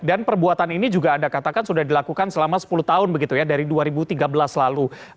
dan perbuatan ini juga anda katakan sudah dilakukan selama sepuluh tahun begitu ya dari dua ribu tiga belas lalu